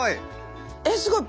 えっすごい。